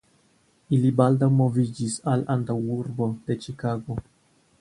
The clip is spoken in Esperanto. Ili baldaŭ moviĝis al antaŭurbo de Ĉikago.